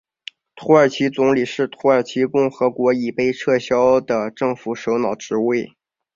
土耳其总理是土耳其共和国已被撤销的政府首脑职位。